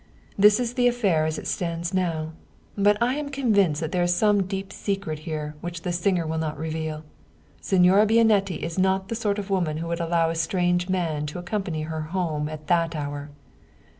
This is the affair as it stands now. But I am convinced that there is some deep secret here which the singer will not reveal. Signora Bianetti is not the sort of woman who would allow a strange man to accompany her home at that hour.